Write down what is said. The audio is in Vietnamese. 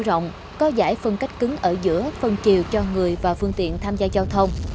rộng có giải phân cách cứng ở giữa phân chiều cho người và phương tiện tham gia giao thông